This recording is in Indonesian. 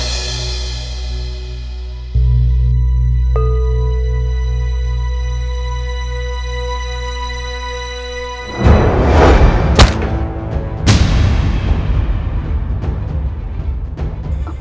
apakah kamu ngamak